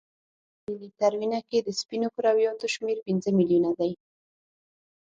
په هر ملي لیتر وینه کې د سپینو کرویاتو شمیر پنځه میلیونه نه دی.